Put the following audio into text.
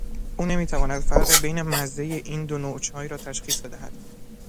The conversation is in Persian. او نمیتواند فرق بین مزهی این دو نوع چای را تشخیص بدهد.